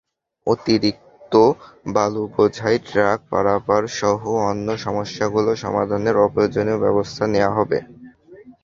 অতিরিক্ত বালুবোঝাই ট্রাক পারাপারসহ অন্য সমস্যাগুলো সমাধানের প্রয়োজনীয় ব্যবস্থা নেওয়া হবে।